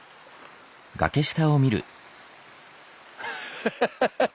ハハハハッ。